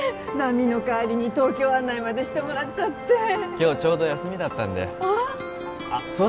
奈未の代わりに東京案内までしてもらっちゃって今日ちょうど休みだったんであああっ